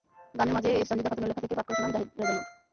গানের মাঝেই সন্জীদা খাতুনের লেখা থেকে পাঠ করে শোনান জাহীদ রেজা নূর।